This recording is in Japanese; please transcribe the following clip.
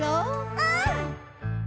うん。